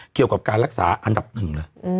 เกี่ยวกับการรักษาอันดับหนึ่งเลย